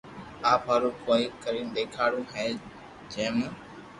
آپ ھارو ڪوئي ڪرن ديکارو ھي جي مون